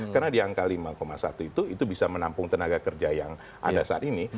karena di angka lima satu itu itu bisa menampung tenaga kerja yang ada saat ini